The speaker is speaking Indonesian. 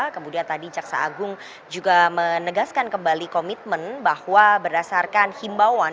kemudian tadi jaksa agung juga menegaskan kembali komitmen bahwa berdasarkan himbauan